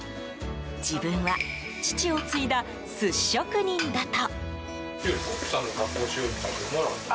自分は父を継いだ寿司職人だと。